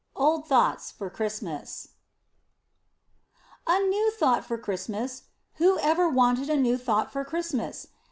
OLD THOUGHTS FOR CHRISTMAS A new thought for Christmas? Who ever wanted a new thought for Christmas?